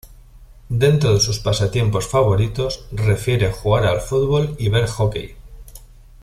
Dentro de sus pasatiempos favoritos refiere jugar al fútbol y ver hockey.